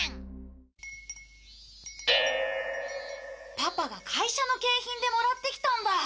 パパが会社の景品でもらってきたんだ。